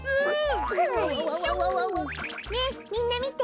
ねえみんなみて。